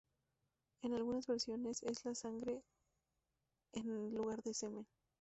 En algunas versiones, es la sangre en lugar de semen.